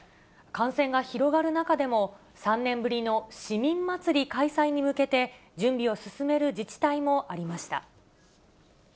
感染が広がる中でも、３年ぶりの市民祭り開催に向けて、準備を進める自治体もありました。